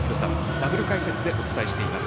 ダブル解説でお伝えしています。